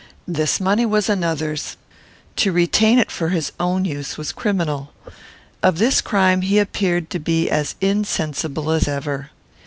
This money was another's. To retain it for his own use was criminal. Of this crime he appeared to be as insensible as ever.